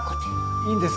いいんですか？